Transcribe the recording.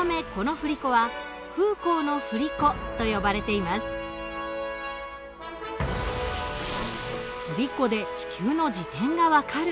振り子で地球の自転が分かる。